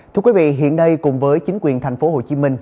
thưa quý vị hiện nay cùng với chính quyền thành phố hồ chí minh